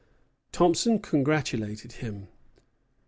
Thompson congratulated him.